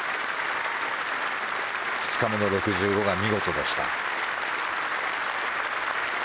２日目の６５が見事でした。